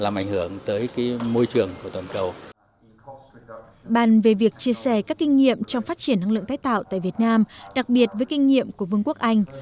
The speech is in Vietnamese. bạn về việc chia sẻ các kinh nghiệm trong phát triển năng lượng tái tạo tại việt nam đặc biệt với kinh nghiệm của vương quốc anh